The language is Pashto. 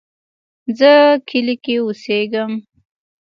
زه کلی کې اوسیږم